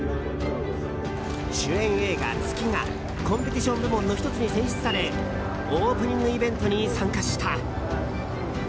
主演映画「月」がコンペティション部門の１つに選出されオープニングイベントに参加した。